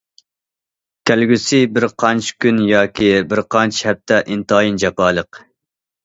كەلگۈسى بىر قانچە كۈن ياكى بىر قانچە ھەپتە ئىنتايىن جاپالىق.